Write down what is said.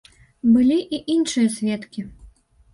Былі і іншыя сведкі.